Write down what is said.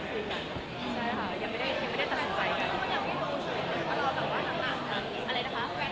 ความที่ได้ง่าย